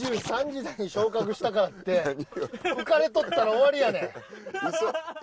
２３時台に昇格したからって浮かれとったら終わりやねん！